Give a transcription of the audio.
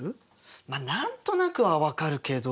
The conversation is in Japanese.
まあ何となくは分かるけど。